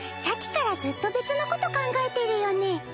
さっきからずっと別のこと考えてるよね？